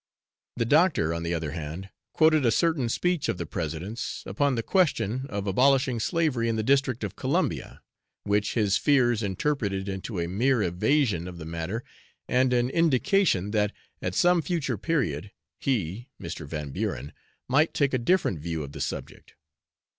The doctor, on the other hand, quoted a certain speech of the President's, upon the question of abolishing slavery in the district of Columbia, which his fears interpreted into a mere evasion of the matter, and an indication that, at some future period, he (Mr. Van Buren), might take a different view of the subject.